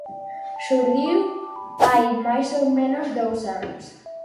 Xurdiu hai, máis ou menos, dous anos.